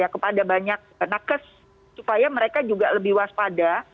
kepada banyak anak kes supaya mereka juga lebih waspada